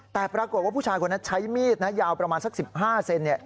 แต่ปรากฏว่าผู้ชายคนนั้นใช้มีดนะยาวประมาณสัก๑๕เซน